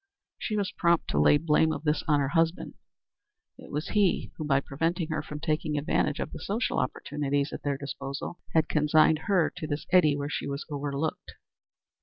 She was prompt to lay the blame of this on her husband. It was he who, by preventing her from taking advantage of the social opportunities at their disposal, had consigned her to this eddy where she was overlooked.